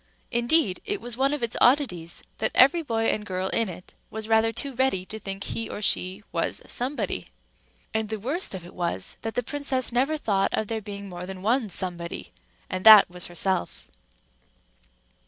Indeed, it was one of its oddities that every boy and girl in it, was rather too ready to think he or she was Somebody; and the worst of it was that the princess never thought of there being more than one Somebody—and that was herself.